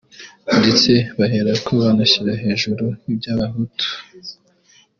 ndetse baherako banashyira hejuru iby’Abahutu